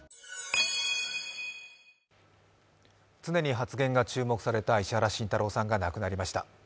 常に発言が注目された石原慎太郎さんが亡くなりました。